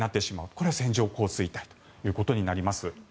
これが線状降水帯ということになります。